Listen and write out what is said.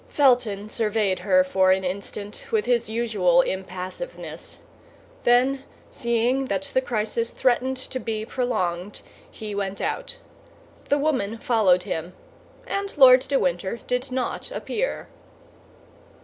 Felton surveyed her for an instant with his usual impassiveness; then, seeing that the crisis threatened to be prolonged, he went out. The woman followed him, and Lord de Winter did not appear.